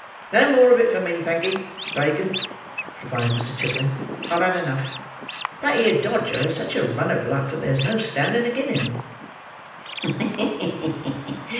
"No more of it for me, thank 'ee, Fagin," replied Mr. Chitling; "I've had enough. That 'ere Dodger has such a run of luck that there's no standing again' him."